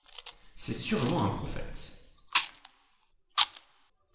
C’est sûrement un prophète…